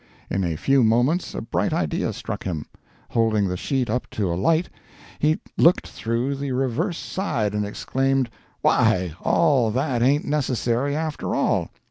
In a few moments a bright idea struck him. Holding the sheet up to a light, he looked through the reverse side and exclaimed: 'Why, all that ain't necessary, after all!